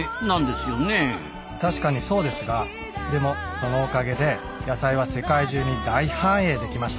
たしかにそうですがでもそのおかげで野菜は世界中に大繁栄できました。